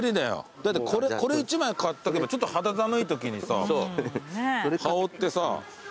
だってこれ一枚買っとけばちょっと肌寒いときにさ羽織ってさ。